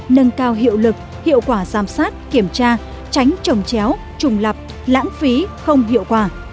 nâng cao hiệu lực hiệu quả giám sát kiểm tra tránh trồng chéo trùng lập lãng phí không hiệu quả